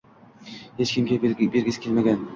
– hech kimga bergisi kelmagan